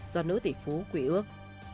do nữ tỷ phú quỷ ước